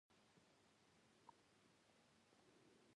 بېباوره عمل دوام نهشي موندلی.